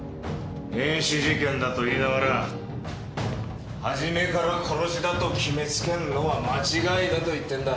変死事件だと言いながらはじめから殺しだと決めつけるのは間違いだと言ってるんだ。